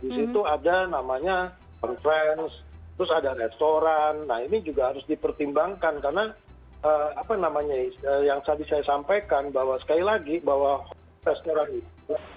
di situ ada namanya conference terus ada restoran nah ini juga harus dipertimbangkan karena apa namanya yang tadi saya sampaikan bahwa sekali lagi bahwa restoran itu